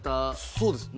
そうです